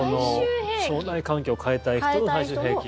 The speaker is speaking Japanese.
腸内環境を変えたい人の最終兵器？